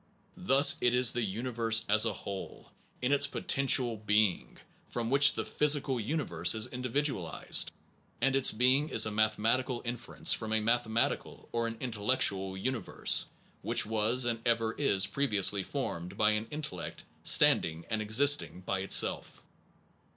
Thus, ... it is the universe as a whole, in its potential being, from which the physical universe is individualized; and its being is a mathematical inference from a mathematical or an intellectual universe which was and ever is previously formed by an intellect standing and existing by itself.